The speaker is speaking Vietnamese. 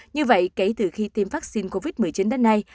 như vậy kể từ khi tiêm vaccine covid một mươi chín đến nay